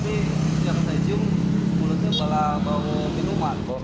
tapi jangan saya cium mulutnya bau minuman